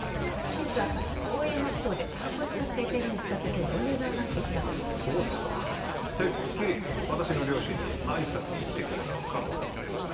今朝大山ふ頭で白骨化した遺体が見つかった件でお願いがあってきたのそうですかてっきり私の両親に挨拶に来てくれたのかと思っていました